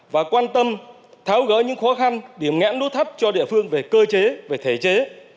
và quan tâm tháo gỡ những khó khăn điểm ngãn đốt thấp cho địa phương về cơ chế về thể chế